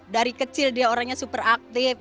dari kecil dia orangnya super aktif